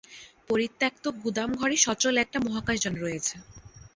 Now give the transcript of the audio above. পরিত্যক্ত গুদাম ঘরে সচল একটা মহাকাশযান রয়েছে।